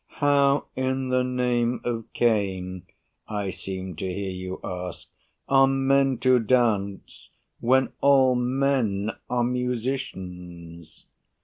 How in the name of Cain, I seem to hear you ask, are men to dance, When all men are musicians.